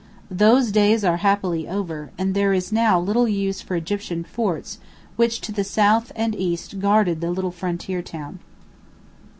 Those days are happily over, and there is now little use for the Egyptian forts which to the south and east guarded the little frontier town.